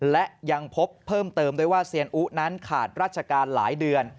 และยังพบเพิ่มเติมด้วยว่าเซียนอุนั้นขาดราชการหลายเดือน